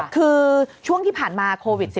คือช่วงที่ผ่านมาโควิด๑๙